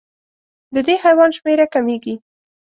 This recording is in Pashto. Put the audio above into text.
د دې حیوان شمېره کمېږي.